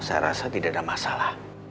saya rasa tidak ada masalah